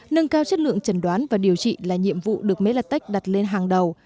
nâng cao chất lượng trần đoán và điều trị là nhiệm vụ được melatech đặt lên hàng đầu